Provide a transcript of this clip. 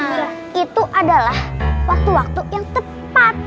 nah itu adalah waktu waktu yang tepat